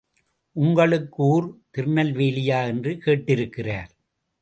உங்களுக்கு ஊர் திருநெல்வேலியா? என்று கேட்டிருக்கிறார்.